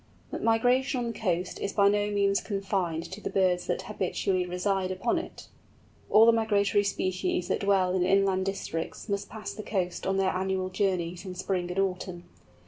But migration on the coast is by no means confined to the birds that habitually reside upon it. All the migratory species that dwell in inland districts must pass the coast on their annual journeys in spring and autumn.